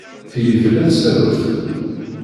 Tili tella tsarut.